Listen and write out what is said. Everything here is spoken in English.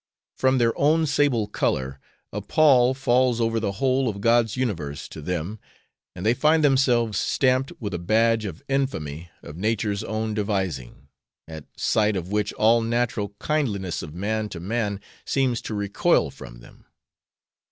From their own sable colour, a pall falls over the whole of God's universe to them, and they find themselves stamped with a badge of infamy of Nature's own devising, at sight of which all natural kindliness of man to man seems to recoil from them.